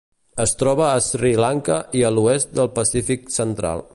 Es troba a Sri Lanka i a l'oest del Pacífic central.